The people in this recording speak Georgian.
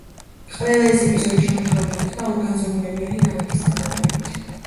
ყველა ეს ეპიზოდი შემუშავებული იქნა ორგანზომილებიანი გრაფიკის გამოყენებით.